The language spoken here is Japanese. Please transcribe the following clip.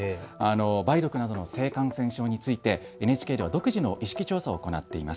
梅毒などの性感染症についてＮＨＫでは独自の意識調査を行っています。